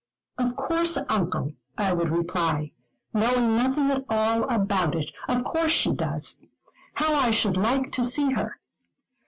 "Of course, Uncle," I would reply, knowing nothing at all about it, "of course she does. How I should like to see her."